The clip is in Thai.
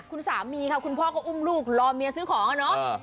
คุณสามีค่ะคุณพ่อก็อุ้มลูกรอเมียซื้อของอะเนาะ